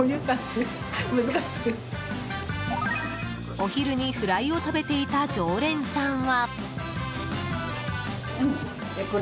お昼にふらいを食べていた常連さんは。